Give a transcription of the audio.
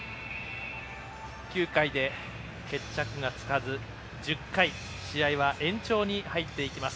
９回で決着がつかず１０回、試合は延長に入っていきます。